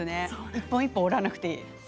一本一本折らなくていい。